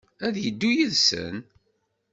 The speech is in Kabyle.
Ad yeddu yid-sen?